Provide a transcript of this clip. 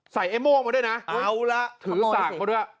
ใส่เอโม้มาด้วยนะถือสากเขาด้วย